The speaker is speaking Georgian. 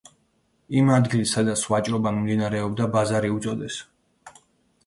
იმ ადგილს, სადაც ვაჭრობა მიმდინარეობდა, „ბაზარი“ უწოდეს.